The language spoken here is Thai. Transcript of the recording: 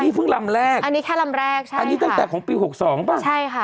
นี่เพิ่งลำแรกอันนี้แค่ลำแรกใช่อันนี้ตั้งแต่ของปีหกสองป่ะใช่ค่ะ